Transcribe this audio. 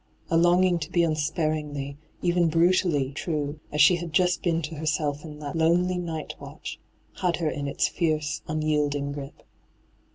A longing to be unsparingly, even brutally, true, as she had just been to herself in that lonely night watch, had her in its fierce, unyielding grip.